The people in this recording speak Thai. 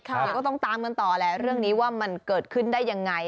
เดี๋ยวก็ต้องตามกันต่อแหละเรื่องนี้ว่ามันเกิดขึ้นได้ยังไง